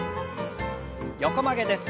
横曲げです。